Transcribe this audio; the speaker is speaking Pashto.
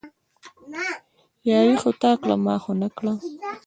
ياري خو تا کړه، ما خو نه کړه